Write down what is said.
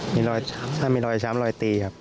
มีรอยช้ำมีรอยช้ำรอยตีครับ